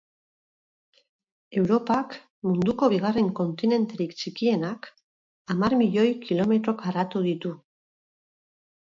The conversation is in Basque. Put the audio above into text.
Europak, munduko bigarren kontinenterik txikienak, hamar milioi kilometro karratu ditu.